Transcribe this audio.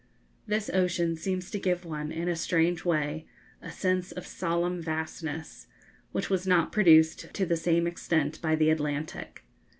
This ocean seems to give one, in a strange way, a sense of solemn vastness, which was not produced to the same extent by the Atlantic.